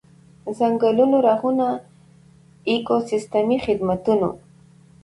ځنګلونو رغونه د ایکوسیستمي خدمتونو.